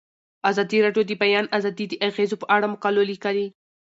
ازادي راډیو د د بیان آزادي د اغیزو په اړه مقالو لیکلي.